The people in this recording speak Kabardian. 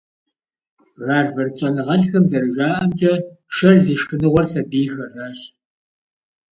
Гарвард щӀэныгъэлӀхэм зэрыжаӀэмкӀэ, шэр зи шхыныгъуэр сабийхэращ.